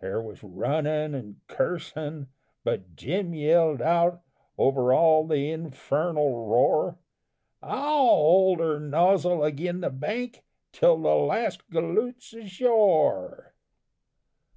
There was runnin' and cursin', but Jim yelled out Over all the infernal roar, "I'll hold her nozzle agin the bank Till the last galoot's ashore."